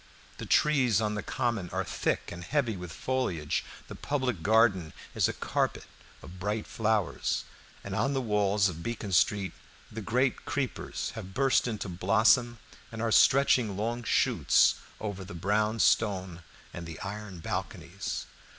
The trees on the Common are thick and heavy with foliage, the Public Garden is a carpet of bright flowers, and on the walls of Beacon Street the great creepers have burst into blossom and are stretching long shoots over the brown stone and the iron balconies.